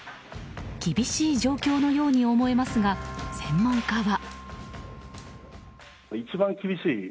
厳しい状況のように思えますが専門家は。